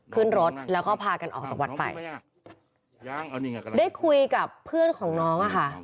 ขึ้นรถแล้วก็พากันออกจากวัดไปได้คุยกับเพื่อนของน้องอะค่ะ